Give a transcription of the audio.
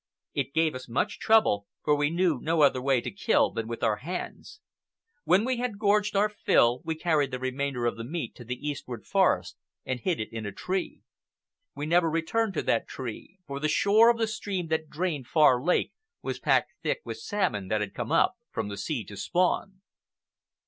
It gave us much trouble, for we knew no other way to kill than with our hands. When we had gorged our fill, we carried the remainder of the meat to the eastward forest and hid it in a tree. We never returned to that tree, for the shore of the stream that drained Far Lake was packed thick with salmon that had come up from the sea to spawn.